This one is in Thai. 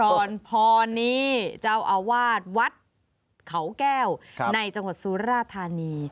พรนี้เจ้าอาวาสวัดเขาแก้วในจังหวัดสุราธานี